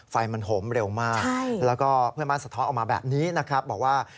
ไฟมันโหมเร็วมากแล้วก็เพื่อนบ้านสะท้อนออกมาแบบนี้นะครับบอกว่า